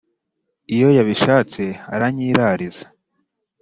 lyo yabishatse aranyirariza